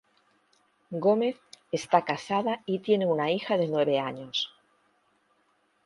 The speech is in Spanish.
Gómez está casada y tiene una hija de nueve años.